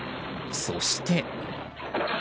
そして。